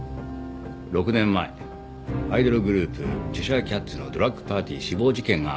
６年前アイドルグループチェシャーキャッツのドラッグパーティー死亡事件があっただろ？